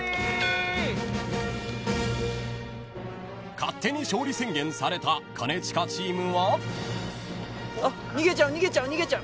［勝手に勝利宣言された兼近チームは］あっ逃げちゃう逃げちゃう逃げちゃう。